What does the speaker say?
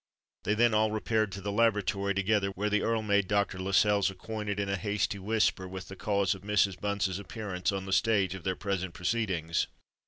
They then all repaired to the laboratory together, where the Earl made Dr. Lascelles acquainted, in a hasty whisper, with the cause of Mrs. Bunce's appearance on the stage of their present proceedings.